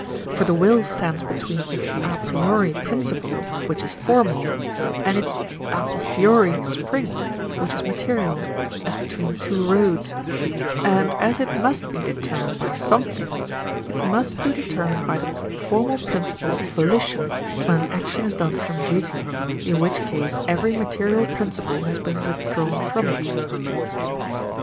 For the will stands between its a priori principle, which is formal, and its a posteriori spring, which is material, as between two roads, and as it must be determined by something, it follows that it must be determined by the formal principle of volition when an action is done from duty, in which case every material principle has been withdrawn from it.